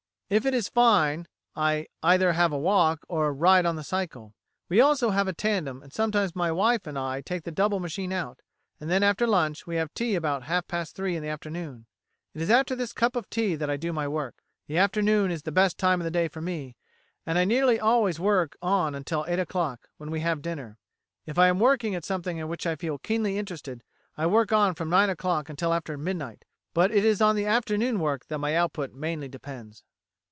If it is fine, I either have a walk or a ride on the cycle. We also have a tandem, and sometimes my wife and I take the double machine out; and then after lunch we have tea about half past three in the afternoon. It is after this cup of tea that I do my work. The afternoon is the best time of the day for me, and I nearly always work on until eight o'clock, when we have dinner. If I am working at something in which I feel keenly interested, I work on from nine o'clock until after midnight, but it is on the afternoon work that my output mainly depends."